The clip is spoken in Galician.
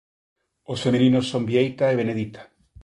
Os femininos son Bieita e Benedita.